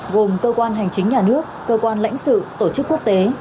gồm cơ quan hành chính nhà nước cơ quan lãnh sự tổ chức quốc tế